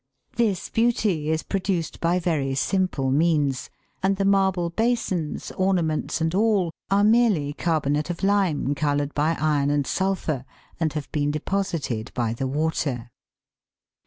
This beauty is produced by very simple means, and the marble basins, ornaments, and all, are merely carbonate of lime coloured by iron and sulphur, and have been deposited by the water.